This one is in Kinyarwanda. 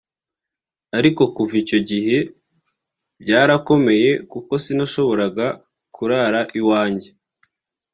Ati « Kuva icyo gihe byarakomeye kuko sinshobora kurara iwanjye